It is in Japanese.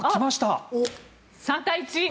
３対１。